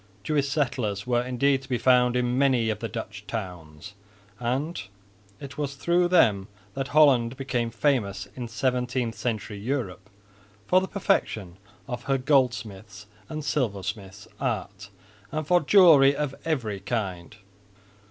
Jewish settlers were indeed to be found in many of the Dutch towns; and it was through them that Holland became famous in 17th century Europe for the perfection of her goldsmiths' and silversmiths' art and for jewelry of every kind.